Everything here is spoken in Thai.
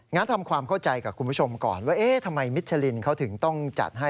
งั้นทำความเข้าใจกับคุณผู้ชมก่อนว่าเอ๊ะทำไมมิชลินเขาถึงต้องจัดให้